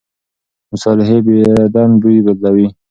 مصالحې بدن بوی بدلوي.